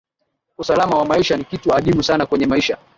usalama wa maisha ni kitu adimu sana kwenye maisha